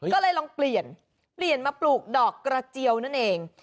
ก็เลยลองเปลี่ยนเปลี่ยนมาปลูกดอกกระเจียวนั่นเอง